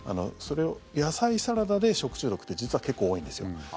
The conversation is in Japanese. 野菜サラダで食中毒って実は結構多いんですよ。